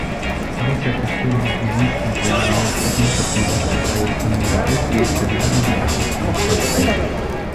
Rosja testuje na gruzińskim poligonie stopień cierpliwości krajów Unii Europejskiej, przewidując brak ich stanowczości